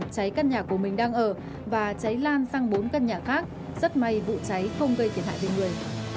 cháy căn nhà của mình đang ở và cháy lan sang bốn căn nhà khác rất may vụ cháy không gây thiệt hại về người